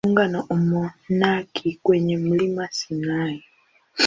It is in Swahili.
Hapo alijiunga na umonaki kwenye mlima Sinai.